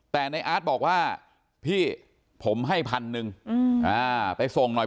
แต่ในอาร์ตบอกว่าพี่ผมให้พันหนึ่งไปส่งหน่อย